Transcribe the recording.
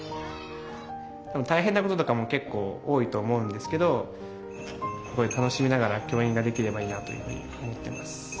大変なこととかも結構多いと思うんですけど楽しみながら教員ができればいいなというふうに思ってます。